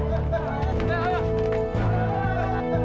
dia maarah jadi lelaki